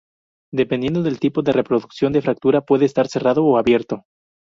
Dependiendo del tipo de reducción de fractura puede estar cerrado o abierto.